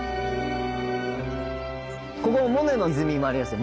ここモネの泉もありますよ